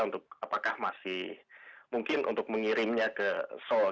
untuk apakah masih mungkin untuk mengirimnya ke seoul